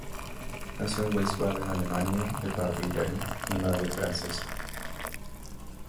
Nació en Wiesbaden, Alemania de padre iraní y madre francesa.